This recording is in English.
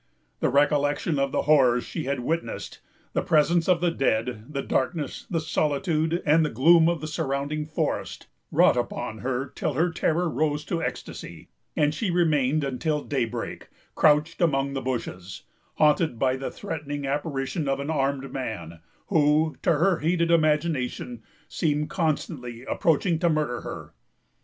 The recollection of the horrors she had witnessed, the presence of the dead, the darkness, the solitude, and the gloom of the surrounding forest, wrought upon her till her terror rose to ecstasy; and she remained until daybreak, crouched among the bushes, haunted by the threatening apparition of an armed man, who, to her heated imagination, seemed constantly approaching to murder her.